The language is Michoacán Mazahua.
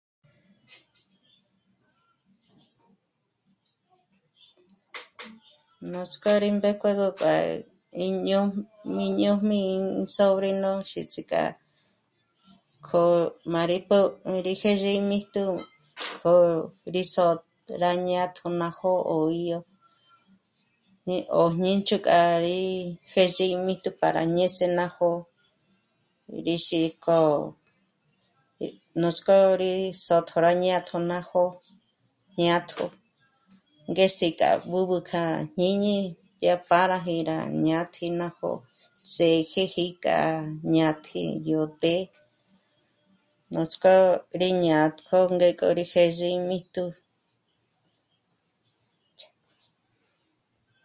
Nuts'k'ó rí mbéjkuegö k'a íñójb'..., íñójb'ë í sobríno xíts'i k'a k'o m'â'a rí pôb'ü rí jêzhi ímíjtu k'o rí sô'o rá jñátjo ná jó'o ó 'í'o, ñé ó jñé ch'úk'a rí jêzhi míjtu para ñês'e ná jó'o, rí xík'o... nuts'k'ó rí sô'tjo rá jñátjo ná jó'o jñátjo, ngés'i k'a b'ǚb'ü kja jñíñi dyá pâraji k'a jñátji ná jó'o s'êjeji kja jñátji yó të́'ë, Nuts'k'ó rí jñátjo ngék'o rí jêzhi ímíjtu